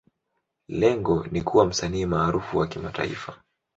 Lengo ni kuwa msanii maarufu wa kimataifa.